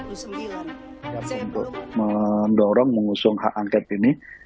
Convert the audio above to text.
untuk mendorong mengusung hak angket ini